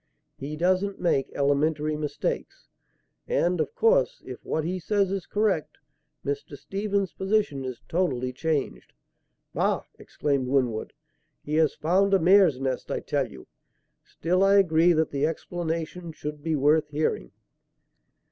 He doesn't make elementary mistakes. And, of course, if what he says is correct, Mr. Stephen's position is totally changed." "Bah!" exclaimed Winwood, "he has found a mare's nest, I tell you. Still, I agree that the explanation should be worth hearing."